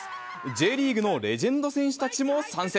Ｊリーグのレジェンド選手たちも参戦。